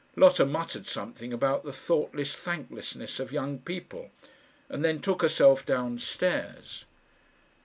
Lotta muttered something about the thoughtless thanklessness of young people, and then took herself down stairs.